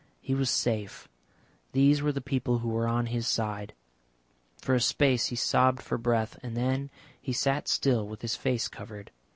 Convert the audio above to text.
He was safe. These were the people who were on his side. For a space he sobbed for breath, and then he sat still with his face covered.